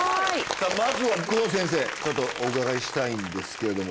まずは工藤先生ちょっとお伺いしたいんですけども。